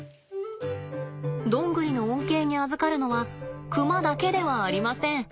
どんぐりの恩恵にあずかるのはクマだけではありません。